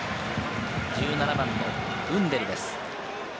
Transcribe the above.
１７番のウンデルです。